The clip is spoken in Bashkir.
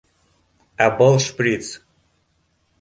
Ә был шприц